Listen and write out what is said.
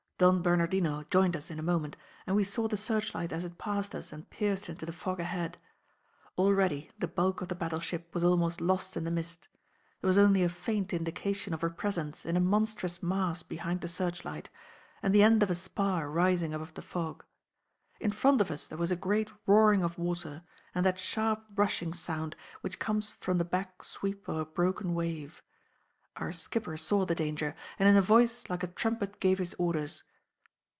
Don Bernardino joined us in a moment, and we saw the searchlight as it passed us and pierced into the fog ahead. Already the bulk of the battleship was almost lost in the mist; there was only a faint indication of her presence in a monstrous mass behind the searchlight, and the end of a spar rising above the fog. In front of us there was a great roaring of water and that sharp rushing sound which comes from the back sweep of a broken wave. Our skipper saw the danger, and in a voice like a trumpet gave his orders.